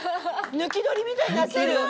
抜き取りみたいになってる。